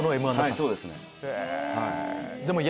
そうですね。